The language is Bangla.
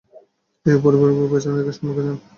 তিনি পরিবারবর্গকে পেছনে রেখে সম্মুখে যান।